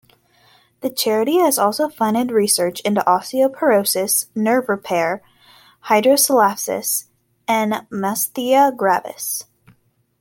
The charity has also funded research into osteoporosis, nerve repair, hydrocephalus and myasthenia gravis.